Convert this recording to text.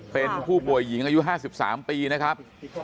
เป็นผู้ป่วยหญิงอายุ๕๓ปีนะครับ